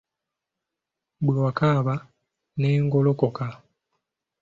Bwe wakaaba ne ngolokoka